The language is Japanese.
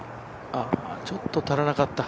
ちょっと足らなかった。